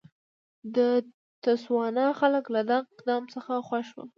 د تسوانا خلک له دغه اقدام څخه خوښ وو.